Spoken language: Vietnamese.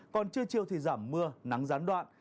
còn trưa chiều thì giảm mưa nắng gián đoạn